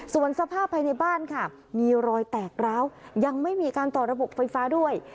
ส่วนสภาพภายในบ้านค่ะมีรอยแตกร้าวยังไม่มีการต่อระบบไฟฟ้าด้วย